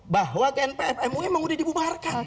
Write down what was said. bahwa gnpf mui memang udah dibubarkan